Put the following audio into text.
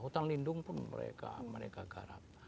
hutan lindung pun mereka garap